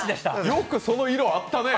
よく、その色あったね。